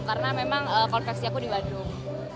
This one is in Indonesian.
karena memang konveksi aku di bandung